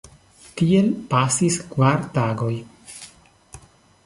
Tiel pasis kvar tagoj.